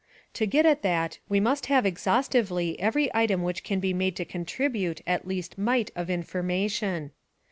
To get at that we must have ex haustively every item which can be made to contribute the least mite cf information.